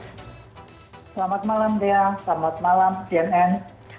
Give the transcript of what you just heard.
selamat malam dea selamat malam cnn